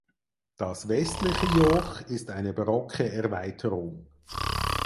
Das westliche Joch ist eine barocke Erweiterung.